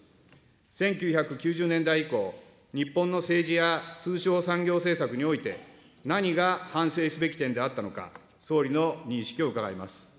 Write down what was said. １９９０年代以降、日本の政治や通商産業政策において、何が反省すべき点であったのか、総理の認識を伺います。